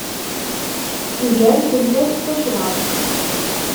Iger fell-as tacḍaḍt.